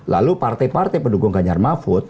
lalu partai partai pendukung ganjar mahfud